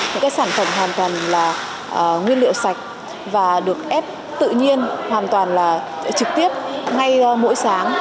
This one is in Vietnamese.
một cái sản phẩm hoàn toàn là nguyên liệu sạch và được ép tự nhiên hoàn toàn là trực tiếp ngay mỗi sáng